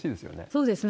そうですね。